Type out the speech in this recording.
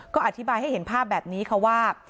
ก็อธิบายให้เห็นภาพแบบนี้ค่ะว่า